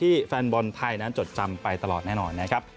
แฟนบอลไทยนั้นจดจำไปตลอดแน่นอนนะครับ